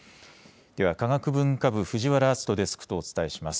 では、科学文化部、藤原淳登デスクとお伝えします。